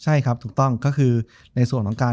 จบการโรงแรมจบการโรงแรม